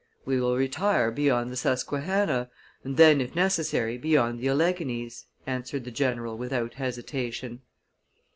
"We will retire beyond the Susquehanna, and then, if necessary, beyond the Alleghanies," answered the general without hesitation.